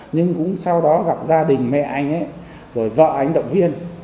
nhưng cũng sau đó gặp gia đình mẹ anh ấy rồi vợ anh động viên